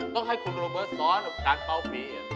ต้องให้คุณโรเบอร์สอนการเป่าปี